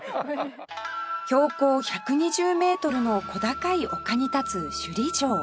標高１２０メートルの小高い丘に立つ首里城